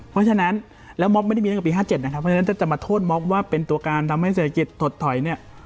เพราะฉะนั้นแล้วม็อบไม่ได้มีตั้งปี๑๙๕๗นะจะมาโทษม็อบว่าเป็นตัวการทำเศรษฐกิจถดถอย